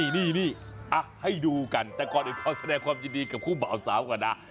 นี่ให้ดูกันแต่ก่อนอื่นขอแสดงความยินดีกับคู่บ่าวสาวก่อนนะ